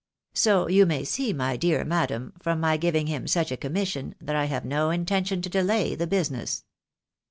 So you may see, my dear madam, from my giving him such a commission, that I have no intention to delay the business.